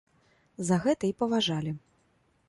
За гэта і паважалі.